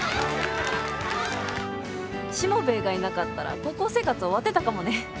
しもべえがいなかったら高校生活終わってたかもね。